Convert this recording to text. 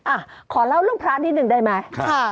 อ่ะขอเล่าเรื่องพระนิดนึงได้ไหม